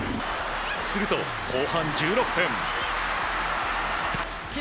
すると、後半１６分。